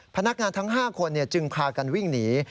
พนักงานทั้ง๕คนจึงพากันวิ่งหนี